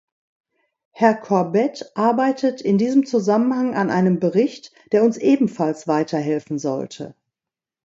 Herr Corbett arbeitet in diesem Zusammenhang an einem Bericht, der uns ebenfalls weiterhelfen sollte.